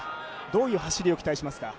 どういう走りを期待しますか。